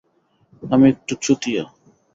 আমি একটা চুতিয়া।